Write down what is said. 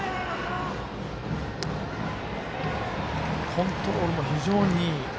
コントロールが非常にいい。